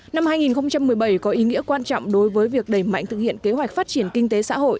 năm hai nghìn một mươi bảy có ý nghĩa quan trọng đối với việc đẩy mạnh thực hiện kế hoạch phát triển kinh tế xã hội